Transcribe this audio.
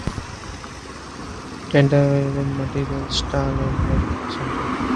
Chaterton married Stella Wyland Chatterton.